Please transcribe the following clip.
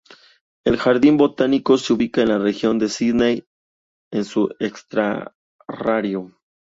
El jardín botánico se ubica en la región Sydney en su extrarradio.